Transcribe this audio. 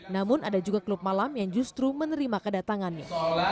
namun ada juga klub malam yang justru menerima kedatangannya